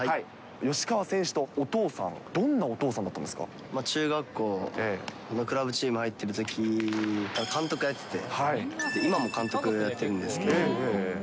吉川選手のお父さん、どんな中学校のクラブチーム入ってるとき、監督やってて、今も監督やってるんですけど。